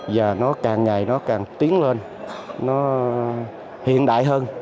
và nó càng ngày nó càng tiến lên nó hiện đại hơn